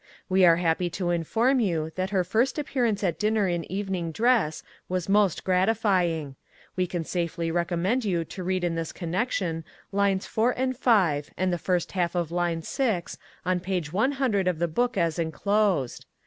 We are happy to inform you that her first appearance at dinner in evening dress was most gratifying: we can safely recommend you to read in this connection lines 4 and 5 and the first half of line 6 on page 1OO of the book as enclosed.